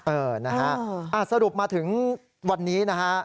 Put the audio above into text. เออสรุปมาถึงวันนี้